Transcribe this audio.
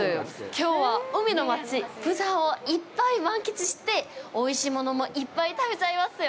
きょうは海の街、釜山をいっぱい満喫しておいしいものもいっぱい食べちゃいますよ。